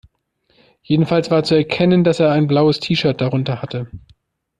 Jedenfalls war zu erkennen, dass er ein blaues T-Shirt drunter hatte.